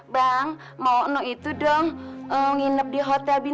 bang mau enuh itu dong nginep di hotel nih ya makanya nggak ada yang mau nginep di hotel nih